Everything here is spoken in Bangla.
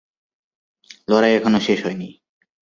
লড়াই এখনো শেষ হয়নি।